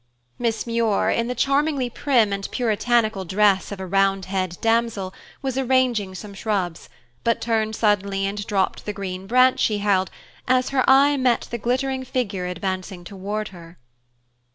Miss Muir, in the charmingly prim and puritanical dress of a Roundhead damsel, was arranging some shrubs, but turned suddenly and dropped the green branch she held, as her eye met the glittering figure advancing toward her.